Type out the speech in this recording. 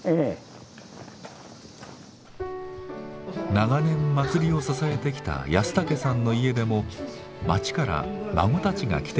長年祭りを支えてきた安竹さんの家でも町から孫たちが来ていました。